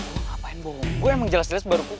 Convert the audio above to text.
lo ngapain bohong gue emang jelas jelas baru ku